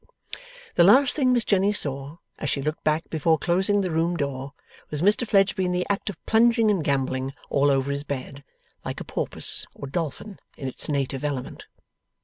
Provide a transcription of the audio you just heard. The last thing Miss Jenny saw, as she looked back before closing the room door, was Mr Fledgeby in the act of plunging and gambolling all over his bed, like a porpoise or dolphin in its native element.